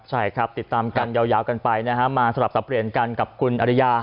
ใช่ครับติดตามกันยาวกันไปนะฮะมาสลับสับเปลี่ยนกันกับคุณอริยา